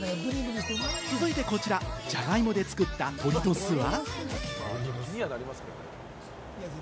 続いてこちら、じゃがいもで作った鳥の巣は。